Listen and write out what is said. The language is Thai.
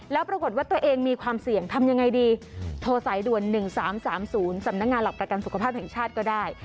แล้วปรากฏว่าตัวเองมีความเสี่ยงทำยังไงดีโทรสายด่วน๑๓๓๐สำนักงานหลักประกันสุขภาพแห่งชาติก็ได้